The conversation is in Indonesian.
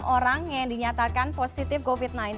enam orang yang dinyatakan positif covid sembilan belas